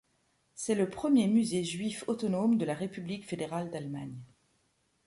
C'est le premier Musée juif autonome de la République fédérale d’Allemagne.